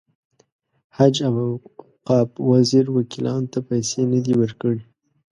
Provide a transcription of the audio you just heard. حج او اوقاف وزیر وکیلانو ته پیسې نه دي ورکړې.